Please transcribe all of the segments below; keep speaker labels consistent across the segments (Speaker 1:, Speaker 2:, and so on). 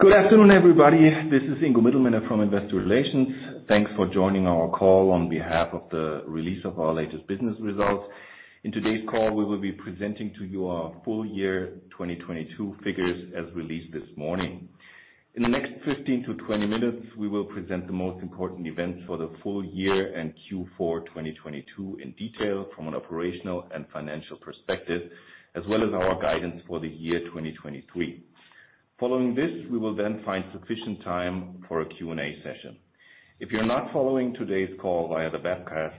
Speaker 1: Good afternoon, everybody. This is Ingo Mittelmeier from Investor Relations. Thanks for joining our call on behalf of the release of our latest business results. In today's call, we will be presenting to you our full year 2022 figures as released this morning. In the next 15-20 minutes, we will present the most important events for the full year and Q4 2022 in detail from an operational and financial perspective, as well as our guidance for the year 2023. Following this, we will then find sufficient time for a Q&A session. If you're not following today's call via the webcast,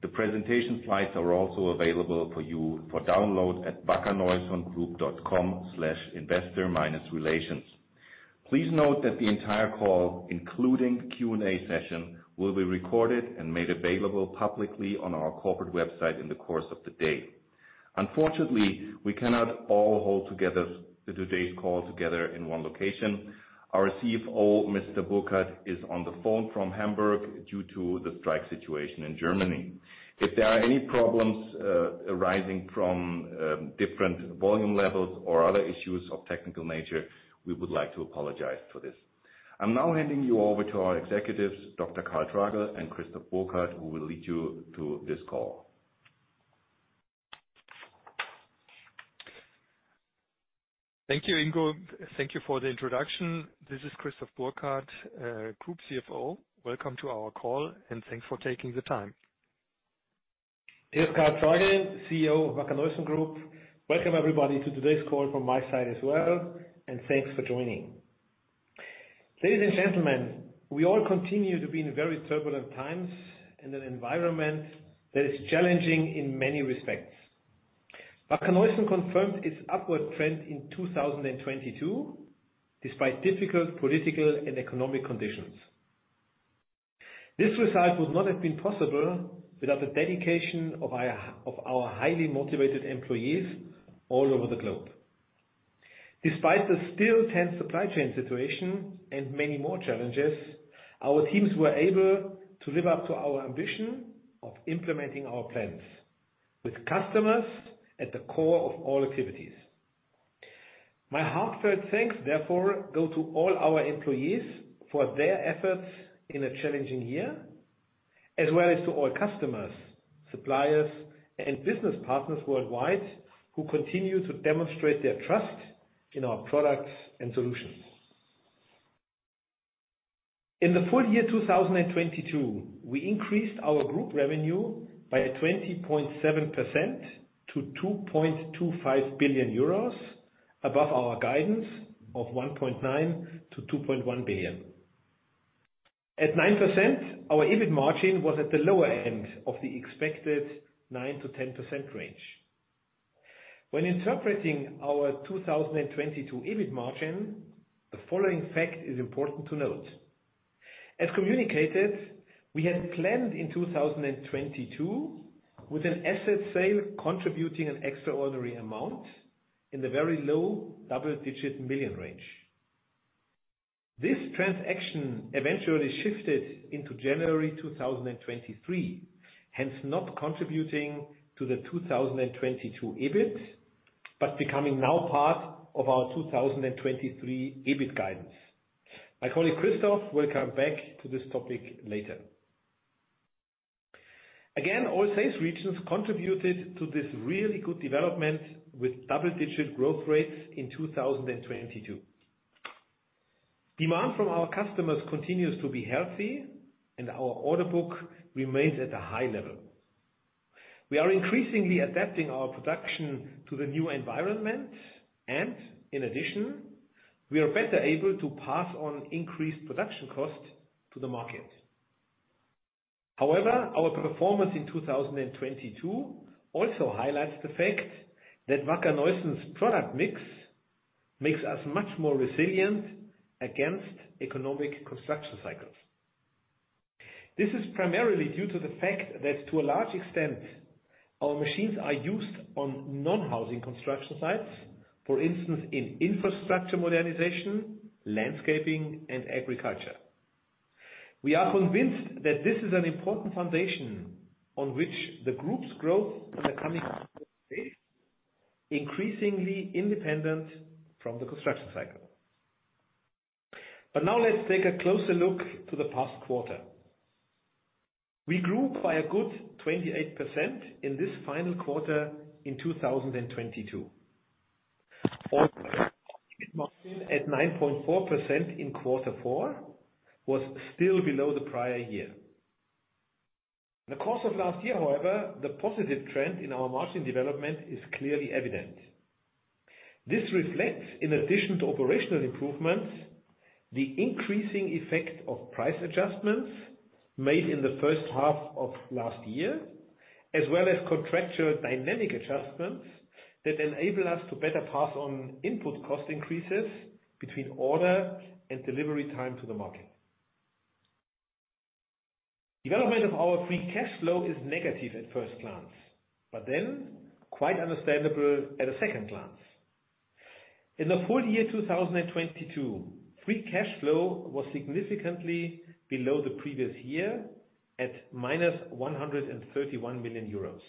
Speaker 1: the presentation slides are also available for you for download at wackerneusongroup.com/investor-relations. Please note that the entire call, including Q&A session, will be recorded and made available publicly on our corporate website in the course of the day. Unfortunately, we cannot all hold together today's call together in one location. Our CFO, Mr. Burkhard, is on the phone from Hamburg due to the strike situation in Germany. If there are any problems arising from different volume levels or other issues of technical nature, we would like to apologize for this. I'm now handing you over to our executives, Dr. Karl Tragl and Christoph Burkhard, who will lead you through this call.
Speaker 2: Thank you, Ingo. Thank you for the introduction. This is Christoph Burkhard, Group CFO. Welcome to our call, and thanks for taking the time.
Speaker 3: Here's Karl Tragl, CEO of Wacker Neuson Group. Welcome everybody to today's call from my side as well. Thanks for joining. Ladies and gentlemen, we all continue to be in very turbulent times, in an environment that is challenging in many respects. Wacker Neuson confirmed its upward trend in 2022, despite difficult political and economic conditions. This result would not have been possible without the dedication of our highly motivated employees all over the globe. Despite the still tense supply chain situation and many more challenges, our teams were able to live up to our ambition of implementing our plans with customers at the core of all activities. My heartfelt thanks, therefore, go to all our employees for their efforts in a challenging year, as well as to all customers, suppliers, and business partners worldwide who continue to demonstrate their trust in our products and solutions. In the full year 2022, we increased our Group revenue by 20.7% to 2.25 billion euros above our guidance of 1.9 billion-2.1 billion. At 9%, our EBIT margin was at the lower end of the expected 9%-10% range. When interpreting our 2022 EBIT margin, the following fact is important to note. As communicated, we had planned in 2022 with an asset sale contributing an extraordinary amount in the very low double-digit million range. This transaction eventually shifted into January 2023, hence not contributing to the 2022 EBIT, but becoming now part of our 2023 EBIT guidance. My colleague, Christoph, will come back to this topic later. Again, all sales regions contributed to this really good development with double-digit growth rates in 2022. Demand from our customers continues to be healthy, and our order book remains at a high level. We are increasingly adapting our production to the new environment, and in addition, we are better able to pass on increased production costs to the market. However, our performance in 2022 also highlights the fact that Wacker Neuson's product mix makes us much more resilient against economic construction cycles. This is primarily due to the fact that to a large extent, our machines are used on non-housing construction sites, for instance, in infrastructure modernization, landscaping, and agriculture. We are convinced that this is an important foundation on which the group's growth in the coming increasingly independent from the construction cycle. Now let's take a closer look to the past quarter. We grew by a good 28% in this final quarter in 2022. At 9.4% in quarter four was still below the prior year. In the course of last year, however, the positive trend in our margin development is clearly evident. This reflects, in addition to operational improvements, the increasing effect of price adjustments made in the first half of last year, as well as contractual dynamic adjustments that enable us to better pass on input cost increases between order and delivery time to the market. Development of our free cash flow is negative at first glance, quite understandable at a second glance. In the full year 2022, free cash flow was significantly below the previous year at minus 131 million euros.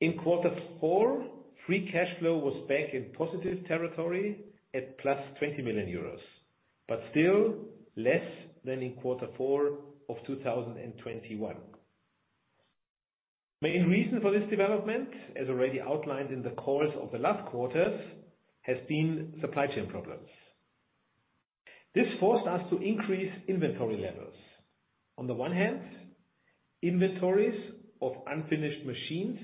Speaker 3: In quarter four, free cash flow was back in positive territory at plus 20 million euros, still less than in quarter four of 2021. Main reason for this development, as already outlined in the course of the last quarters, has been supply chain problems. This forced us to increase inventory levels. On the one hand, inventories of unfinished machines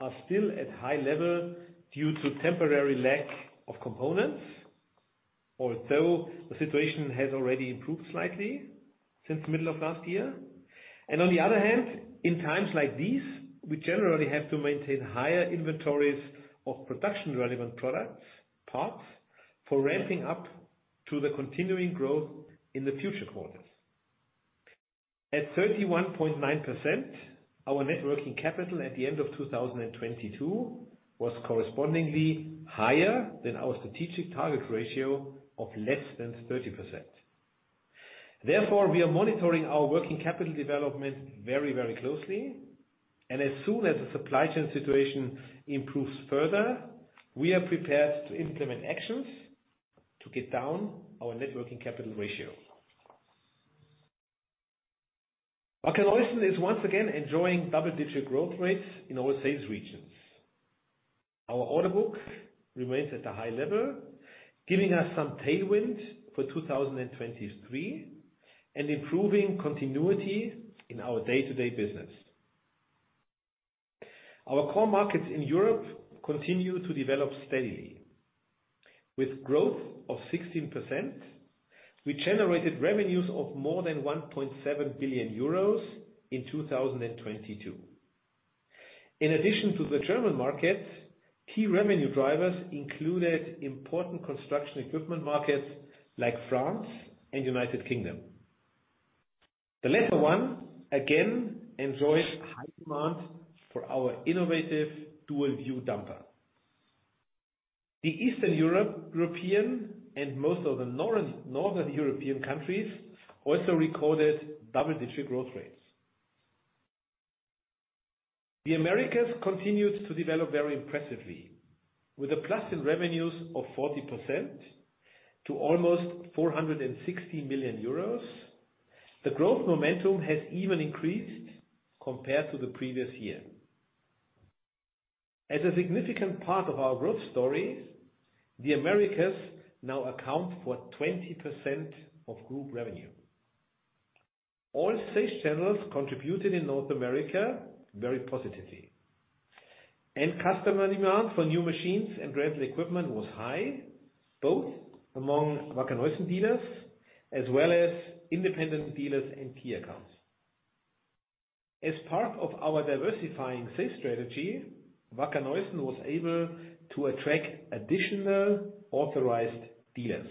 Speaker 3: are still at high level due to temporary lack of components. Although the situation has already improved slightly since the middle of last year. On the other hand, in times like these, we generally have to maintain higher inventories of production relevant products, parts for ramping up to the continuing growth in the future quarters. At 31.9%, our net working capital at the end of 2022 was correspondingly higher than our strategic target ratio of less than 30%. We are monitoring our working capital development very, very closely. As soon as the supply chain situation improves further, we are prepared to implement actions to get down our net working capital ratio. Wacker Neuson is once again enjoying double-digit growth rates in our sales regions. Our order book remains at a high level, giving us some tailwind for 2023 and improving continuity in our day-to-day business. Our core markets in Europe continue to develop steadily. With growth of 16%, we generated revenues of more than 1.7 billion euros in 2022. In addition to the German market, key revenue drivers included important construction equipment markets like France and United Kingdom. The latter one again enjoyed high demand for our innovative Dual View dumper. The Eastern European and most of the Northern European countries also recorded double-digit growth rates. The Americas continued to develop very impressively with a plus in revenues of 40% to almost 460 million euros. The growth momentum has even increased compared to the previous year. As a significant part of our growth story, the Americas now account for 20% of group revenue. All sales channels contributed in North America very positively. End customer demand for new machines and rental equipment was high, both among Wacker Neuson dealers as well as independent dealers and key accounts. As part of our diversifying sales strategy, Wacker Neuson was able to attract additional authorized dealers.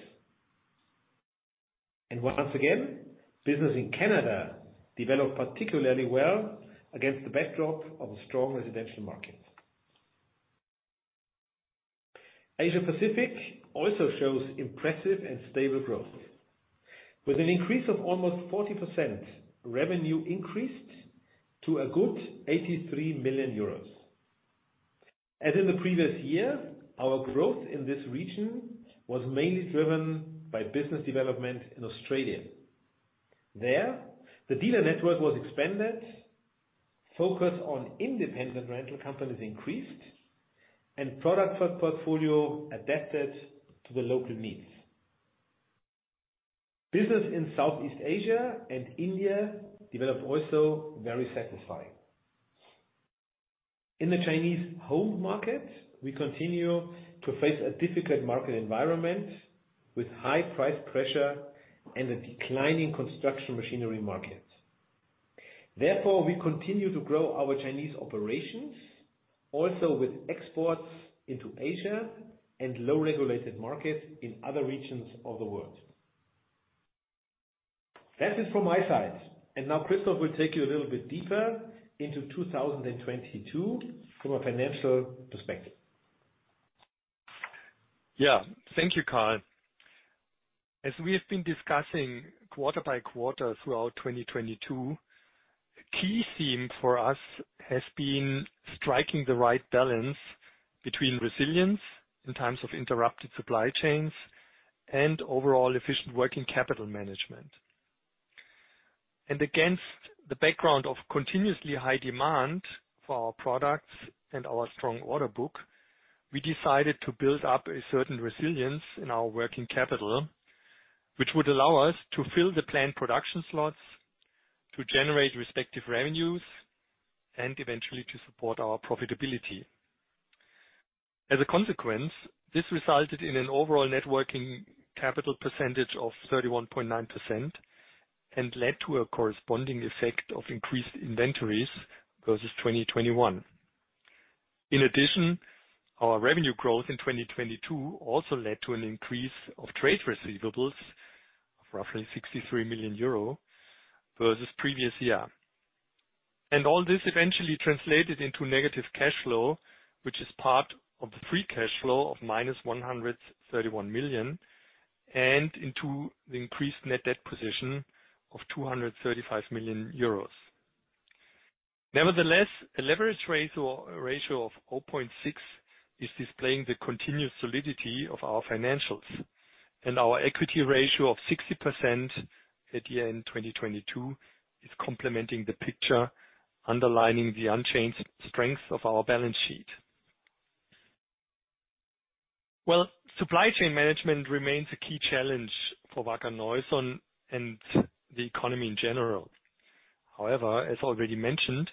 Speaker 3: Once again, business in Canada developed particularly well against the backdrop of a strong residential market. Asia Pacific also shows impressive and stable growth. With an increase of almost 40%, revenue increased to a good 83 million euros. As in the previous year, our growth in this region was mainly driven by business development in Australia. There, the dealer network was expanded, focus on independent rental companies increased and product portfolio adapted to the local needs. Business in Southeast Asia and India developed also very satisfying. In the Chinese home market, we continue to face a difficult market environment with high price pressure and a declining construction machinery market. We continue to grow our Chinese operations also with exports into Asia and low regulated markets in other regions of the world. That is from my side. Now Christoph will take you a little bit deeper into 2022 from a financial perspective.
Speaker 2: Thank you, Karl. As we have been discussing quarter by quarter throughout 2022, a key theme for us has been striking the right balance between resilience in times of interrupted supply chains and overall efficient working capital management. Against the background of continuously high demand for our products and our strong order book, we decided to build up a certain resilience in our working capital, which would allow us to fill the planned production slots, to generate respective revenues, and eventually to support our profitability. As a consequence, this resulted in an overall net working capital percentage of 31.9% and led to a corresponding effect of increased inventories versus 2021. In addition, our revenue growth in 2022 also led to an increase of trade receivables of roughly 63 million euro versus previous year. All this eventually translated into negative cash flow, which is part of the free cash flow of -131 million. Into the increased net debt position of 235 million euros. A leverage ratio of 0.6 is displaying the continuous solidity of our financials and our equity ratio of 60% at year-end 2022 is complementing the picture, underlining the unchanged strength of our balance sheet. Supply chain management remains a key challenge for Wacker Neuson and the economy in general. As already mentioned,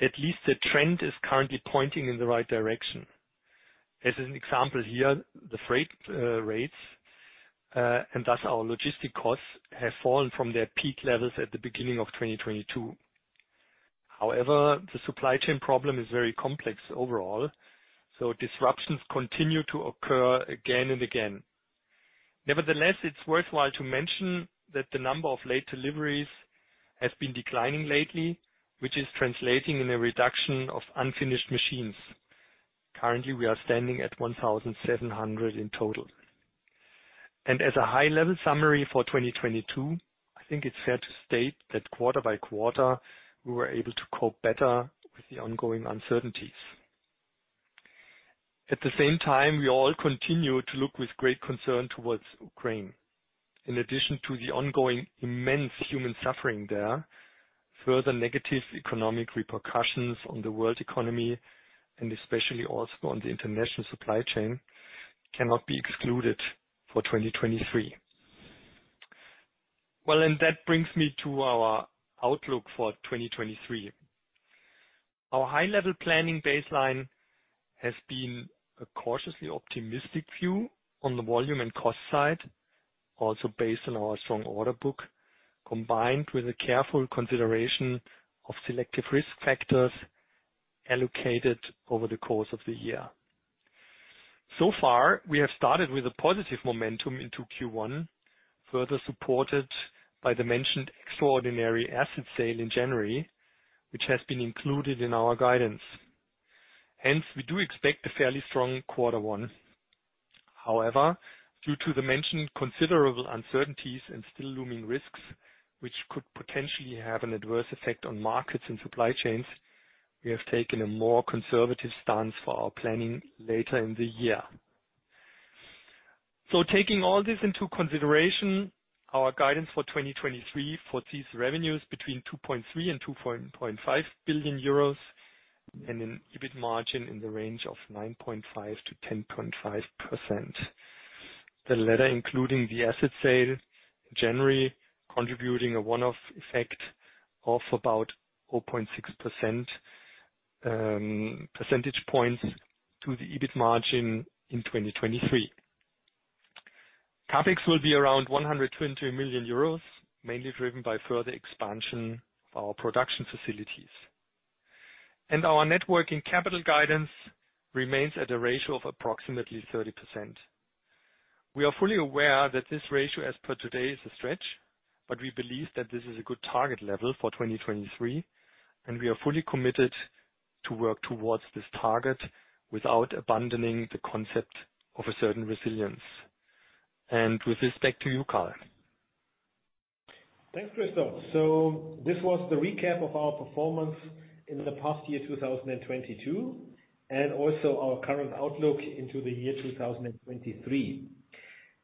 Speaker 2: at least the trend is currently pointing in the right direction. As an example here, the freight rates and thus our logistic costs have fallen from their peak levels at the beginning of 2022. The supply chain problem is very complex overall, so disruptions continue to occur again and again. Nevertheless, it's worthwhile to mention that the number of late deliveries has been declining lately, which is translating in a reduction of unfinished machines. Currently, we are standing at 1,700 in total. As a high-level summary for 2022, I think it's fair to state that quarter by quarter, we were able to cope better with the ongoing uncertainties. At the same time, we all continue to look with great concern towards Ukraine. In addition to the ongoing immense human suffering there, further negative economic repercussions on the world economy, and especially also on the international supply chain, cannot be excluded for 2023. Well, that brings me to our outlook for 2023. Our high-level planning baseline has been a cautiously optimistic view on the volume and cost side, also based on our strong order book, combined with a careful consideration of selective risk factors allocated over the course of the year. So far, we have started with a positive momentum into Q1, further supported by the mentioned extraordinary asset sale in January, which has been included in our guidance. We do expect a fairly strong quarter one. However, due to the mentioned considerable uncertainties and still looming risks, which could potentially have an adverse effect on markets and supply chains, we have taken a more conservative stance for our planning later in the year. Taking all this into consideration, our guidance for 2023 foresees revenues between 2.3 billion and 2.5 billion euros and an EBIT margin in the range of 9.5%-10.5%. The latter including the asset sale in January, contributing a one-off effect of about 4.6 % points to the EBIT margin in 2023. CapEx will be around 120 million euros, mainly driven by further expansion of our production facilities. Our net working capital guidance remains at a ratio of approximately 30%. We are fully aware that this ratio as per today is a stretch, but we believe that this is a good target level for 2023, and we are fully committed to work towards this target without abandoning the concept of a certain resilience. With this, back to you, Karl.
Speaker 3: Thanks, Christoph. This was the recap of our performance in the past year, 2022, and also our current outlook into the year 2023.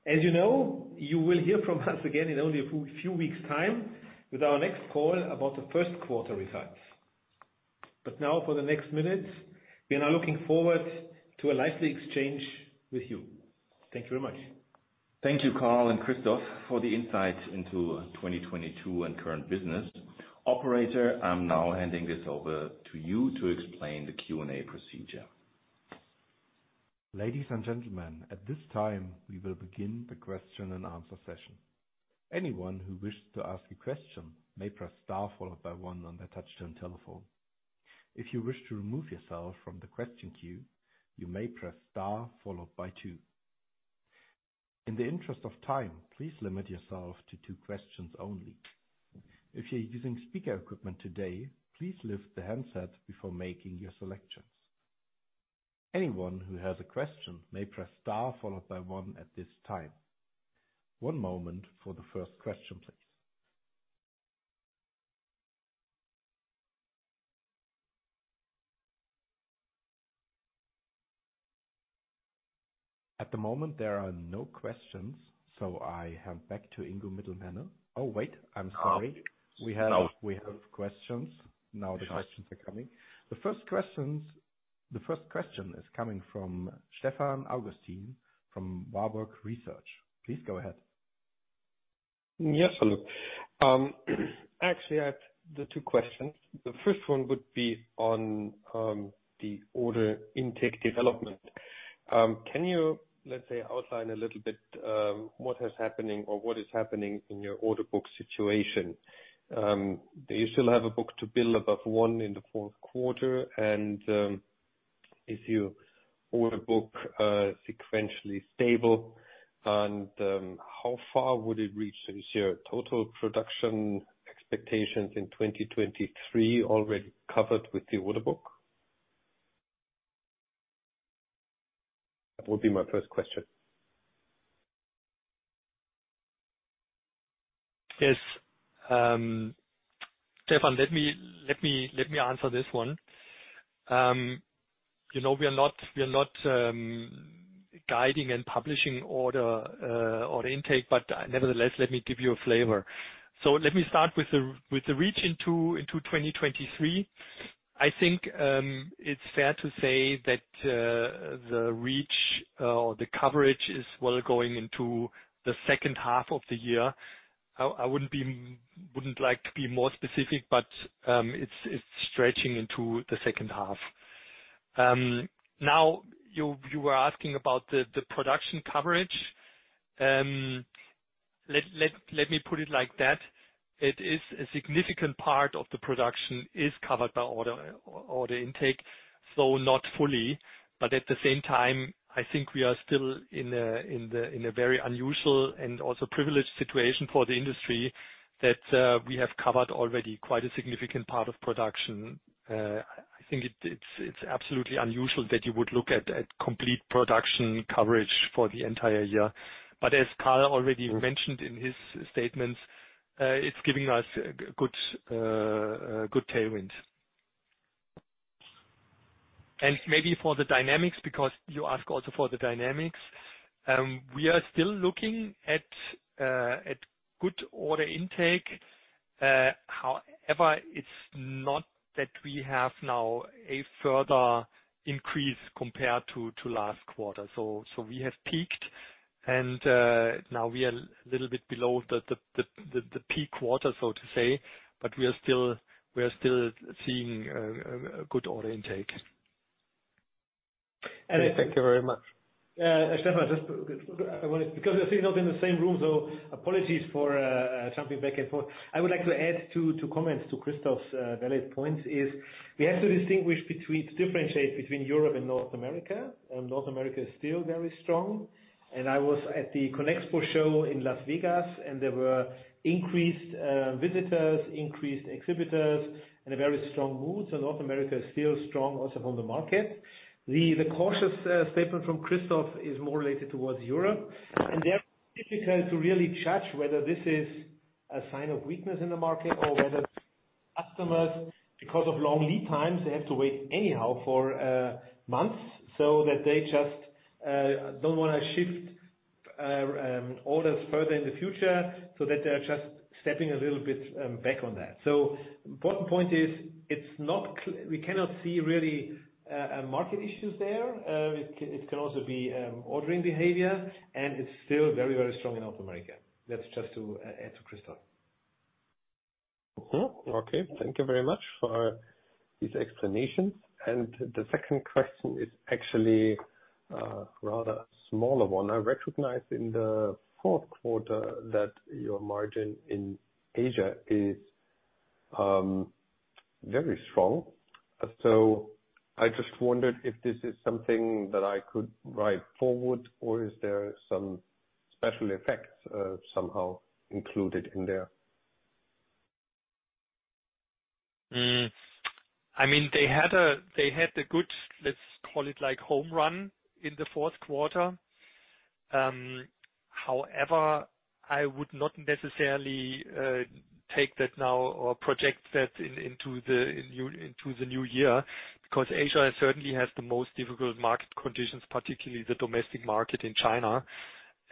Speaker 3: As you know, you will hear from us again in only a few weeks' time with our next call about the first quarter results. Now for the next minutes, we are now looking forward to a lively exchange with you. Thank you very much.
Speaker 1: Thank you, Karl and Christoph, for the insights into 2022 and current business. Operator, I'm now handing this over to you to explain the Q&A procedure.
Speaker 4: Ladies and gentlemen, at this time, we will begin the question and answer session. Anyone who wishes to ask a question may press star followed by one on their touchtone telephone. If you wish to remove yourself from the question queue, you may press star followed by two. In the interest of time, please limit yourself to two questions only. If you're using speaker equipment today, please lift the handset before making your selections. Anyone who has a question may press star followed by one at this time. One moment for the first question, please. At the moment, there are no questions. I hand back to Ingo Mittelmeier. Wait, I'm sorry. We have questions. Now the questions are coming. The first question is coming from Stefan Augustin from Warburg Research. Please go ahead.
Speaker 5: Yes, hello. actually I have the two questions. The first one would be on the order intake development. Can you, let's say, outline a little bit what is happening or what is happening in your order book situation? Do you still have a book-to-bill above 1 in the fourth quarter? Is your order book sequentially stable? How far would it reach this year? Total production expectations in 2023 already covered with the order book? That would be my first question.
Speaker 2: Yes. Stefan, let me answer this one. You know, we are not guiding and publishing order intake, but nevertheless, let me give you a flavor. Let me start with the reach into 2023. I think, it's fair to say that the reach or the coverage is well going into the second half of the year. I wouldn't like to be more specific, but, it's stretching into the second half. You were asking about the production coverage. Let me put it like that. It is a significant part of the production is covered by order intake, so not fully. At the same time, I think we are still in a very unusual and also privileged situation for the industry that we have covered already quite a significant part of production. I think it's absolutely unusual that you would look at a complete production coverage for the entire year. As Karl already mentioned in his statements, it's giving us good tailwind. Maybe for the dynamics, because you ask also for the dynamics, we are still looking at good order intake. However, it's not that we have now a further increase compared to last quarter. We have peaked and now we are a little bit below the peak quarter, so to say, but we are still seeing good order intake.
Speaker 5: Thank you very much.
Speaker 1: Stefan, just Because we're sitting up in the same room, so apologies for jumping back and forth. I would like to add two comments to Christoph's valid points, is we have to differentiate between Europe and North America. North America is still very strong. I was at the CONEXPO show in Las Vegas, and there were increased visitors, increased exhibitors, and a very strong mood. North America is still strong also on the market. The cautious statement from Christoph is more related towards Europe. There, difficult to really judge whether this is a sign of weakness in the market or whether customers, because of long lead times, they have to wait anyhow for months, so that they just don't wanna shift orders further in the future, so that they are just stepping a little bit back on that. Important point is, it's not we cannot see really market issues there. It can also be ordering behavior, and it's still very, very strong in North America. That's just to add to Christoph.
Speaker 5: Okay. Thank you very much for these explanations. The second question is actually rather smaller one. I recognize in the fourth quarter that your margin in Asia is very strong. I just wondered if this is something that I could drive forward, or is there some special effects somehow included in there?
Speaker 2: I mean, they had a, they had a good, let's call it like home run in the fourth quarter. I would not necessarily take that now or project that into the new year. Asia certainly has the most difficult market conditions, particularly the domestic market in China.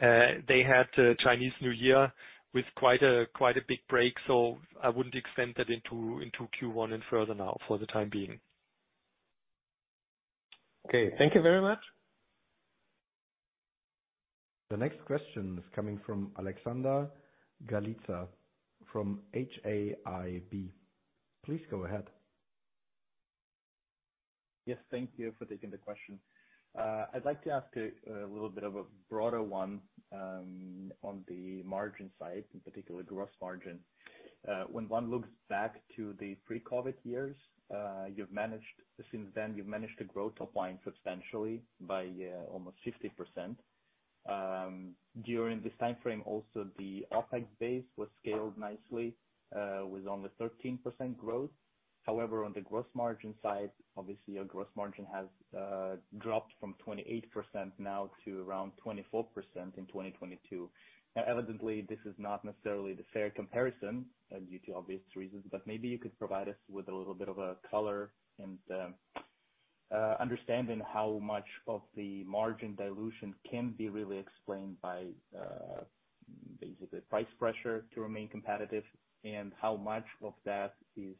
Speaker 2: They had the Chinese New Year with quite a big break. I wouldn't extend that into Q1 and further now for the time being.
Speaker 5: Okay, thank you very much.
Speaker 4: The next question is coming from Alexander Galitsa from HAIB. Please go ahead.
Speaker 6: Yes, thank you for taking the question. I'd like to ask a little bit of a broader one, on the margin side, in particular gross margin. When one looks back to the pre-COVID years, since then, you've managed to grow top line substantially by almost 50%. During this timeframe, also the OpEx base was scaled nicely, with only 13% growth. However, on the gross margin side, obviously your gross margin has dropped from 28% now to around 24% in 2022. Evidently, this is not necessarily the fair comparison, due to obvious reasons, but maybe you could provide us with a little bit of a color in, understanding how much of the margin dilution can be really explained by, basically price pressure to remain competitive, and how much of that is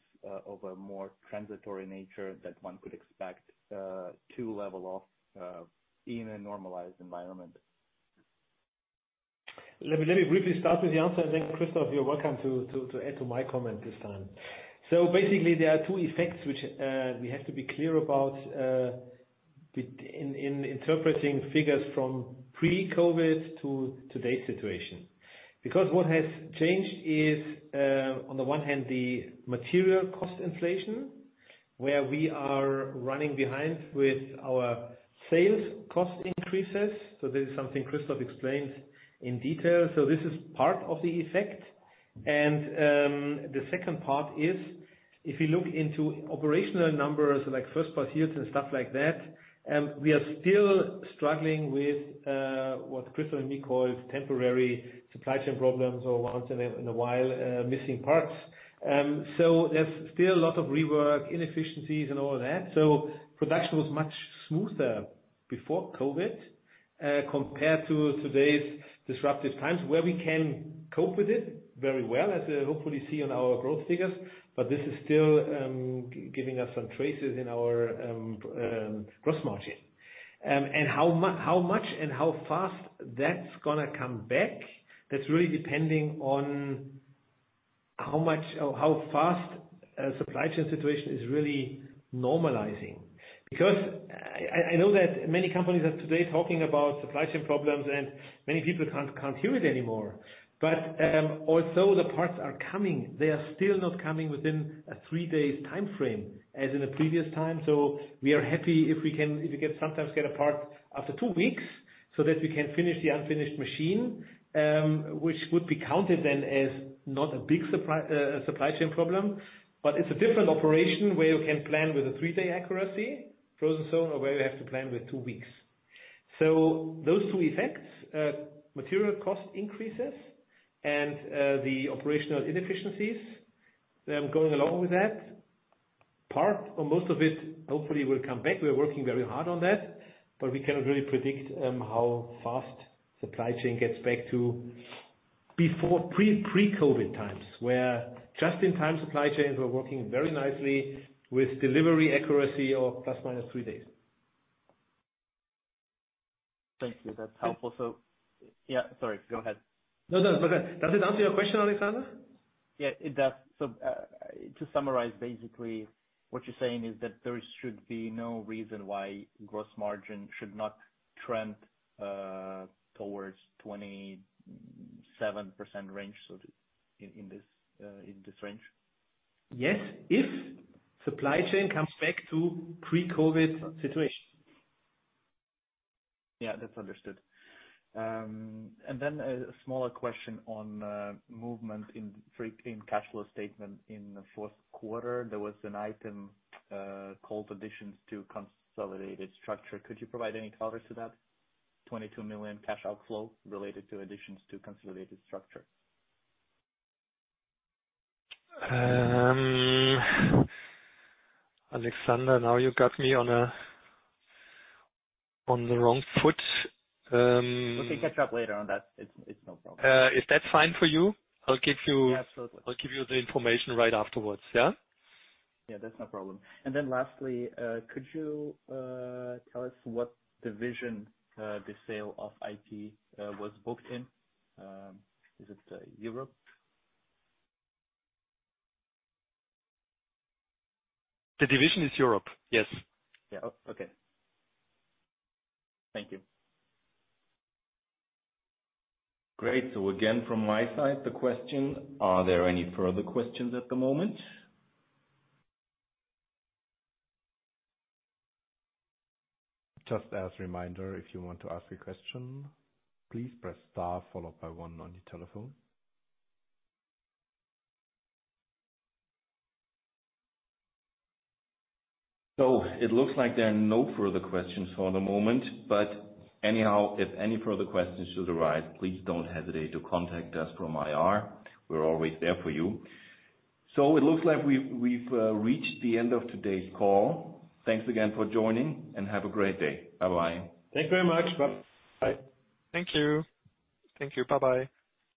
Speaker 6: of a more transitory nature that one could expect to level off in a normalized environment.
Speaker 1: Let me briefly start with the answer, and then Christoph, you're welcome to add to my comment this time. Basically, there are two effects which we have to be clear about in interpreting figures from pre-COVID to today's situation. Because what has changed is on the one hand, the material cost inflation, where we are running behind with our sales cost increases. This is something Christoph explained in detail. This is part of the effect. The second part is, if you look into operational numbers like first pursuits and stuff like that, we are still struggling with what Christoph and me call temporary supply chain problems or once in a while, missing parts. There's still a lot of rework, inefficiencies and all that. Production was much smoother before COVID, compared to today's disruptive times, where we can cope with it very well, as hopefully see on our growth figures. This is still giving us some traces in our gross margin. How much and how fast that's gonna come back, that's really depending on how much or how fast supply chain situation is really normalizing. I know that many companies are today talking about supply chain problems, and many people can't hear it anymore. Also the parts are coming. They are still not coming within a three days timeframe as in the previous time. We are happy if we sometimes get a part after two weeks so that we can finish the unfinished machine, which would be counted then as not a big supply chain problem. It's a different operation where you can plan with a three-day accuracy, frozen zone or where you have to plan with two weeks. Those two effects, material cost increases and the operational inefficiencies going along with that. Part or most of it, hopefully, will come back. We're working very hard on that, but we cannot really predict how fast supply chain gets back to before pre-COVID times, where just in time supply chains were working very nicely with delivery accuracy of ± three days.
Speaker 6: Thank you. That's helpful. Yeah, sorry, go ahead.
Speaker 1: No, no, it's okay. Does it answer your question, Alexander?
Speaker 6: Yeah, it does. To summarize, basically what you're saying is that there should be no reason why gross margin should not trend towards 27% range. In this, in this range.
Speaker 1: Yes. If supply chain comes back to pre-COVID situation.
Speaker 6: Yeah, that's understood. A smaller question on movement in cash flow statement. In the fourth quarter, there was an item called additions to consolidated structure. Could you provide any color to that 22 million cash outflow related to additions to consolidated structure?
Speaker 2: Alexander, now you got me on the wrong foot.
Speaker 6: We can catch up later on that. It's no problem.
Speaker 2: if that's fine for you, I'll give you-
Speaker 6: Yeah, absolutely.
Speaker 2: I'll give you the information right afterwards, yeah?
Speaker 6: Yeah, that's no problem. Then lastly, could you tell us what division the sale of IT was booked in? Is it Europe?
Speaker 2: The division is Europe, yes.
Speaker 6: Yeah. Okay. Thank you.
Speaker 1: Again, from my side, the question, are there any further questions at the moment? Just as a reminder, if you want to ask a question, please Press Star followed by one on your telephone. It looks like there are no further questions for the moment. Anyhow, if any further questions should arise, please don't hesitate to contact us from IR. We're always there for you. It looks like we've reached the end of today's call. Thanks again for joining and have a great day. Bye-bye.
Speaker 2: Thanks very much. Bye.
Speaker 3: Bye.
Speaker 2: Thank you. Thank you. Bye-bye.